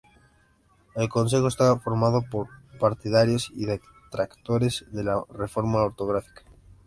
El Consejo está formado por partidarios y detractores de la reforma ortográfica.